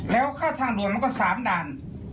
แล้วค่าทางด่วนมันก็๓ด่าน